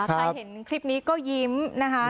ใครเห็นคลิปนี้ก็ยิ้มนะคะ